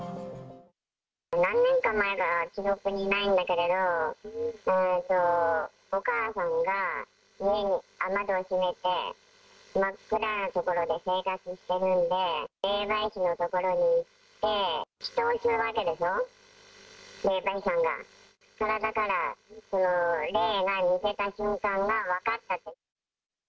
何年か前か記憶にないんだけれど、最初、お母さんが家の雨戸を閉めて、真っ暗な所で生活してるんで、霊媒師の所に行って、祈とうするわけでしょ、霊媒師さんが、体から霊が抜けた瞬間が分かったと。